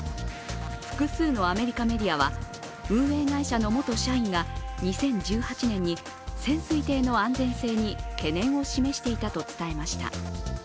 複数のアメリカメディアは運営会社の元社員が２０１８年に潜水艇の安全性に懸念を示していたと伝えました。